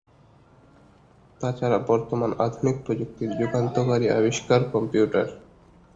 তাছাড়া বর্তমান আধুনিক প্রযুক্তির যুগান্তকারী আবিষ্কার কম্পিউটার।